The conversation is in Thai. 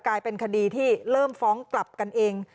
กลายเป็นคดีที่เริ่มฟ้องกลับกันเอง